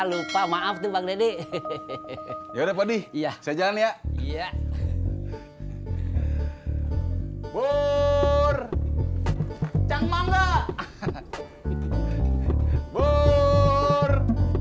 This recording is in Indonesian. lupa maaf di bagi ya udah padi iya saya jangan ya iya burur tangan nggak burur